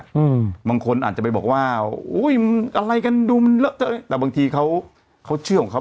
ผมบางคนอาจจะไปบอกว่าอุ้ยอะไรกันดูมันละ